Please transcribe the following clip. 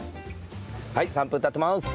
はい３分経ってます。